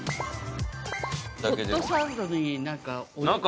ホットサンドになんか。